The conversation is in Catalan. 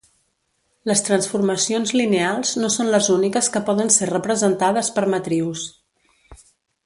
Les transformacions lineals no són les úniques que poden ser representades per matrius.